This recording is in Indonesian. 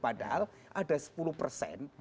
padahal ada sepuluh persen